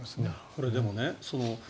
これ、でもね